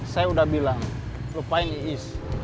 saya udah bilang lupain iis